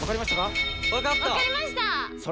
わかりましたか？